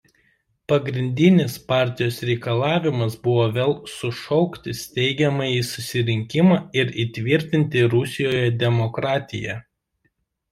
Pagrindinis partijos reikalavimas buvo vėl sušaukti Steigiamąjį susirinkimą ir įtvirtinti Rusijoje demokratiją.